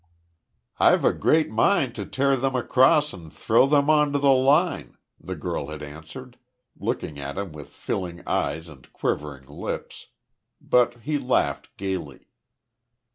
"I've a great mind to tear them across and throw them on to the line," the girl had answered, looking at him with filling eyes and quivering lips. But he laughed gaily.